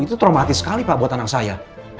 itu traumatis sekali pak buat anak saya